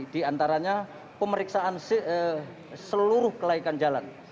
di antaranya pemeriksaan seluruh kelaikan jalan